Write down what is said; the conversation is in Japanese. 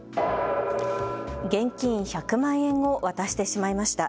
現金１００万円を渡してしまいました。